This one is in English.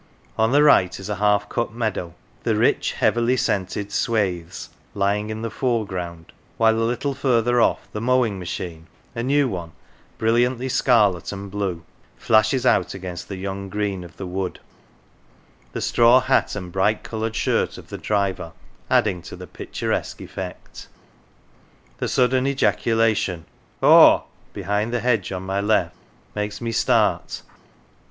On the right is a half cut meadow, the rich, heavily scented swathes lying in the foreground, while a little further off the mowing machine a new one, brilliantly scarlet and blue flashes out against the young green of the wood, the straw hat and bright coloured shirt of the driver adding to the picturesque effect. The sudden ejacula tion " Haw !"" behind the hedge on my left makes me start.